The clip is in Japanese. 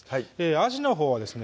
あじのほうはですね